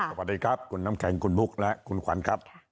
สวัสดีครับคุณน้ำแข็งคุณบุ๊คและคุณขวัญครับ